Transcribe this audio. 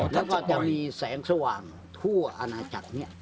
แล้วก็จะมีแสงสว่างทั่วอาณาจักร